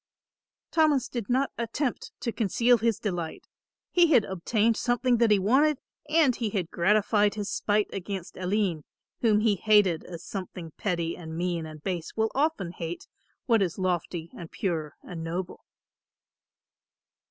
Thomas did not attempt to conceal his delight. He had obtained something that he wanted and he had gratified his spite against Aline, whom he hated as something petty and mean and base will often hate what is lofty and pure and noble.